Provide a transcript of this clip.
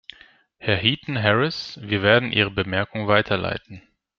Herr Heaton-Harris, wir werden Ihre Bemerkung weiterleiten.